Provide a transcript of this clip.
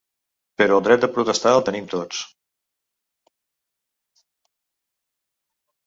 Però el dret de protestar el tenim tots.